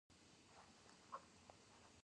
دریابونه د افغانستان د سیاسي جغرافیه برخه ده.